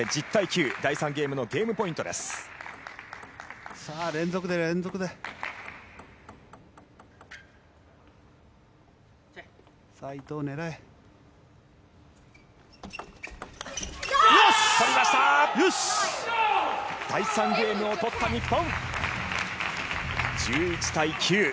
第３ゲームをとった日本。